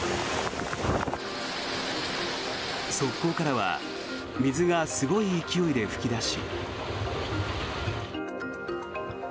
側溝からは水がすごい勢いで噴き出し。